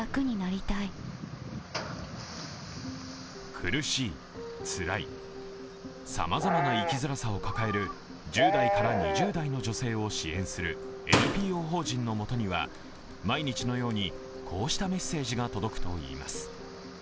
苦しい、つらい、さまざまな生きづらさを抱える１０代から２０代の女性を支援するＮＰＯ法人の元には毎日のようにこうしたメッセージが届くといいます。